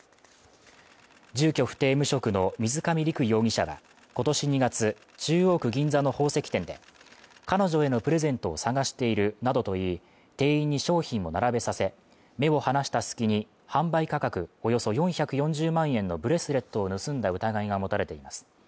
住居不定無職の水上陸容疑者は今年２月、中央区銀座の宝石店で彼女へのプレゼントを探しているなどと言い、店員に商品を並べさせ、目を離した隙に販売価格およそ４４０万円のブレスレットを盗んだ疑いが持たれています。